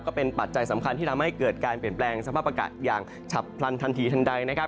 ปัจจัยสำคัญที่ทำให้เกิดการเปลี่ยนแปลงสภาพอากาศอย่างฉับพลันทันทีทันใดนะครับ